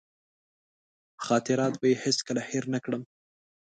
خاطرات به یې هېڅکله هېر نه کړم.